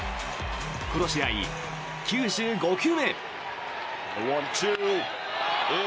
この試合、９５球目。